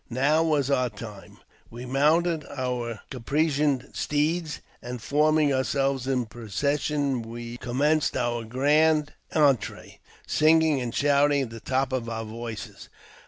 Now was our time. We mounted our caparisoned steeds, and, forming ourselves in procession, we commenced our grand entree, singing and shouting at the top of our voices.